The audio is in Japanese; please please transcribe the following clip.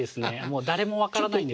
もう誰も分からない。